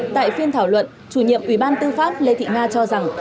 tại phiên thảo luận chủ nhiệm ủy ban tư pháp lê thị nga cho rằng